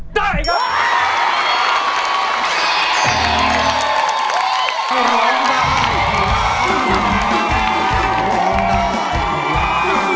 คุณร้องได้ครับ